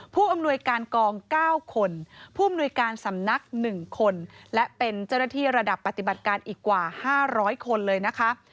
ผู้อำนวยการกอง๙คนผู้อำนวยการสำนัก๑คนและเป็นเจ้าหน้าที่ระดับปฏิบัติการอีกกว่า๕๐๐คนเลยนะคะ